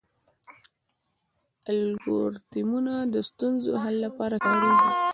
الګوریتمونه د ستونزو حل لپاره کارېږي.